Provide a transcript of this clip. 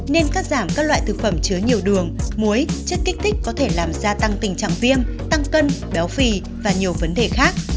nên cắt giảm các loại thực phẩm chứa nhiều đường muối chất kích thích có thể làm gia tăng tình trạng viêm tăng cân béo phì và nhiều vấn đề khác